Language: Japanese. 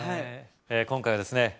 今回はですね